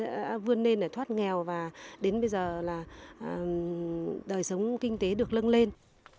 kinh tế vươn lên để thoát nghèo và đến bây giờ là đời sống kinh tế được lưng lên